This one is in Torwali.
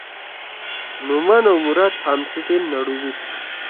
نمان او مُراد تھام سی ٹِن نڑُودُود۔